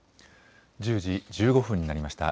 １０時１５分になりました。